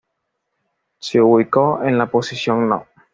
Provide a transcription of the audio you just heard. Se ubicó en la posición No.